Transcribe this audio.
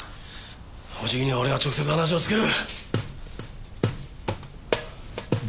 おじきには俺が直接話をつける。